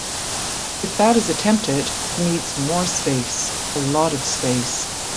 If that is attempted, it needs more space, a lot of space.